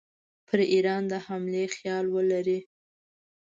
پر ایران د حملې خیال ولري.